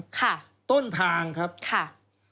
ค่ะบุญการของตอนรวจนี่คืออะไรครับคือต้นใช่ไหมครับ